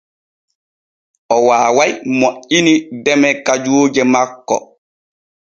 O waaway moƴƴini deme kajuuje makko.